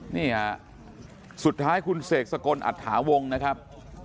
นี่ฮะสุดท้ายคุณเสกสกลอัตถาวงนะครับ